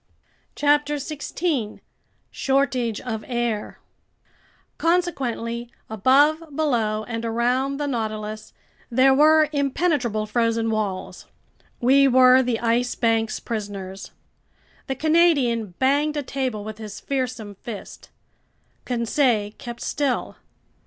CHAPTER 16 Shortage of Air CONSEQUENTLY, above, below, and around the Nautilus, there were impenetrable frozen walls. We were the Ice Bank's prisoners! The Canadian banged a table with his fearsome fist. Conseil kept still.